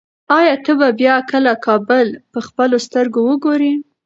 ایا ته به بیا کله خپل کابل په خپلو سترګو وګورې؟